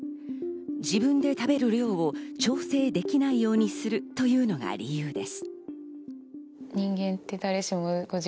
自分で食べる量を調整できないようにするというのが理由です。